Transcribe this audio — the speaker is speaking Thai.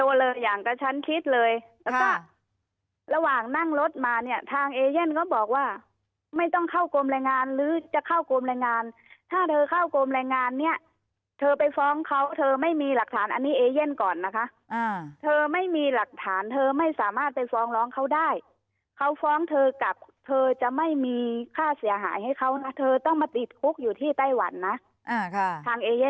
อย่างกระชั้นชิดเลยแล้วก็ระหว่างนั่งรถมาเนี่ยทางเอเย่นก็บอกว่าไม่ต้องเข้ากรมแรงงานหรือจะเข้ากรมแรงงานถ้าเธอเข้ากรมแรงงานเนี่ยเธอไปฟ้องเขาเธอไม่มีหลักฐานอันนี้เอเย่นก่อนนะคะเธอไม่มีหลักฐานเธอไม่สามารถไปฟ้องร้องเขาได้เขาฟ้องเธอกลับเธอจะไม่มีค่าเสียหายให้เขานะเธอต้องมาติดคุกอยู่ที่ไต้หวันนะทางเอเย่